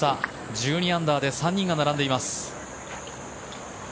１２アンダーで３人が並んでいます。